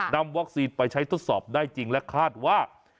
นำวัคซีนไปใช้ทดสอบได้จริงและคาดว่า